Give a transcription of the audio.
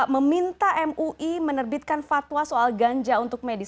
meminta mui menerbitkan fatwa soal ganja untuk medis